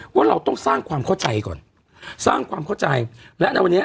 ว่าเราต้องสร้างความเข้าใจก่อนสร้างความเข้าใจและในวันนี้